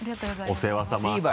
お世話さま。